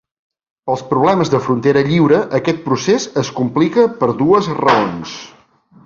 Pels problemes de frontera lliure, aquest procés es complica per dues raons.